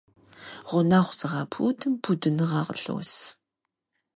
Гъунэгъу зыгъэпудым пудыныгъэ къылъос.